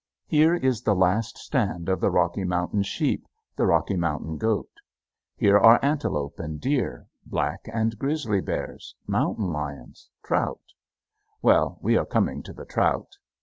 Here is the last stand of the Rocky Mountain sheep, the Rocky Mountain goat. Here are antelope and deer, black and grizzly bears, mountain lions, trout well, we are coming to the trout.